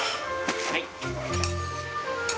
はい。